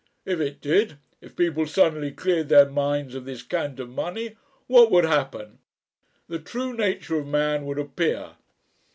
If it did, if people suddenly cleared their minds of this cant of money, what would happen? The true nature of man would appear.